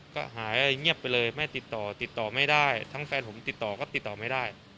ก็หายเงียบไปเลยแม่ติดต่อติดต่อไม่ได้ทั้งแฟนผมติดต่อก็ติดต่อไม่ได้